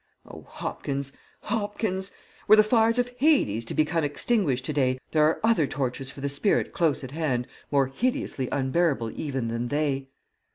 Oh, Hopkins, Hopkins, were the fires of Hades to become extinguished to day, there are other tortures for the spirit close at hand more hideously unbearable even than they!"